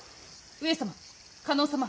上様加納様。